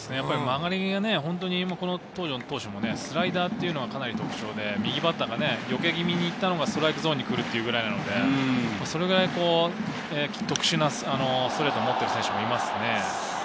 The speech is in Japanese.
東條投手もスライダーがかなり特徴で、右バッターがよけ気味に行ったのがストライクゾーンに来るというので、それくらい特殊なストレートを持ってる選手もいますね。